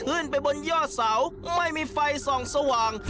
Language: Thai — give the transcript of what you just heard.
ขึ้นไปบนยอดเสาไม่มีไฟส่องสว่าง